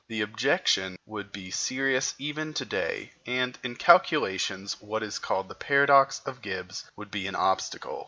The objection would be serious even to day, and, in calculations, what is called the paradox of Gibbs would be an obstacle.